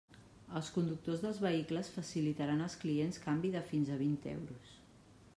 Els conductors dels vehicles facilitaran als clients canvi de fins a vint euros.